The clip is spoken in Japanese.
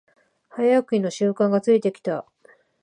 早起きの習慣がついてきた